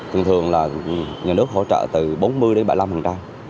thường thường là nhà nước hỗ trợ từ bốn mươi đến bảy mươi năm